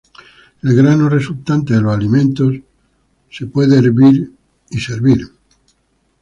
El grano resultante de los alimentos puede ser hervido y servido.